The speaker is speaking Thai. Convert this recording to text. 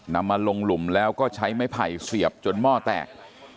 นำมาลงหลุมแล้วก็ใช้ไม้ไผ่เสียบจนหม้อแตก